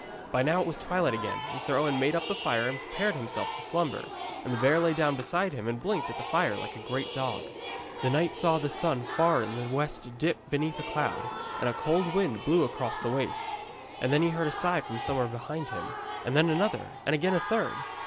By now it was twilight again, and Sir Owen made up the fire and prepared himself to slumber; and the bear lay down beside him and blinked at the fire like a great dog. The knight saw the sun far in the west dip beneath a cloud, and a cold wind blew across the waste. And then he heard a sigh from somewhere behind him, and then another and again a third.